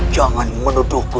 kamu jangan menuduhku